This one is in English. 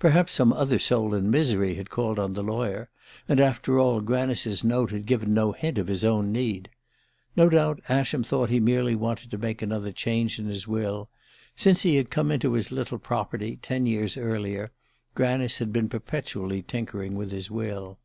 Perhaps some other soul in misery had called on the lawyer; and, after all, Granice's note had given no hint of his own need! No doubt Ascham thought he merely wanted to make another change in his will. Since he had come into his little property, ten years earlier, Granice had been perpetually tinkering with his will.